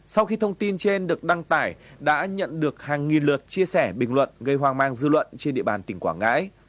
sau khi thông tin trên được đăng tải đã nhận được hàng nghìn lượt chia sẻ bình luận gây hoang mang dư luận trên địa bàn tỉnh quảng ngãi